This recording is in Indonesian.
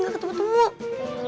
kayak ada sesuatu yang aneh